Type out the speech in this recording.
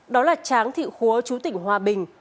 đó là tráng thị khúa chú tỉnh hòa bình